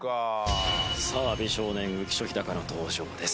さあ美少年浮所飛貴の登場です。